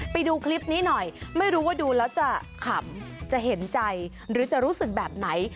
ไปดูคลิปนี้หน่อยไม่รู้ว่าดูแล้วจะขำจะเห็นใจหรือจะรู้สึกแบบไหน